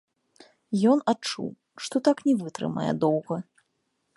Ён адчуў, што так не вытрымае доўга.